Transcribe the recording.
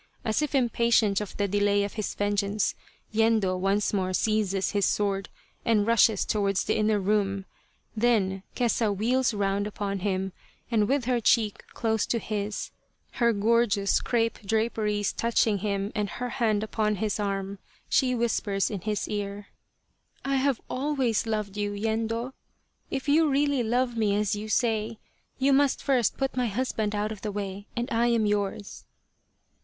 As if impatient of the delay of his vengeance, Yendo once more seizes his sword and rushes towards the inner room. Then Kesa wheels round upon him, and with her cheek close to his, her gorgeous crepe draperies touching him and her hand upon his arm, she whispers in his ear :" I have always loved you, Yendo. If you really love me as you say, you must first put my husband out of the way, and I am yours."